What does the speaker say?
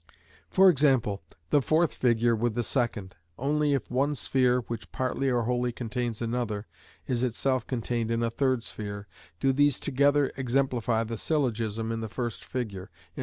For example, the fourth figure with the second. Only if one sphere, which partly or wholly contains another, is itself contained in a third sphere, do these together exemplify the syllogism in the first figure, _i.e.